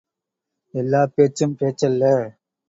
எல்லாப் பேச்சும் பேச்சல்ல!